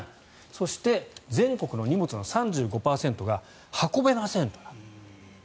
そして、全国の荷物の３５％が運べませんと。